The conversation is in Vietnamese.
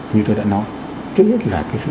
như tôi đã nói trước hết là cái sự